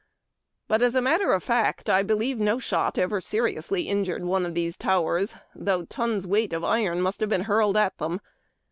But, as a matter of fact, I believe no shot ever seriously injured one of the towers, though tons weight of iron must have been hurled at them.